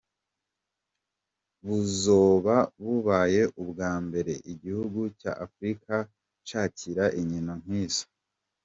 Buzoba bubaye ubwa mbere igihugu ca Afrika cakira inkino nkizo.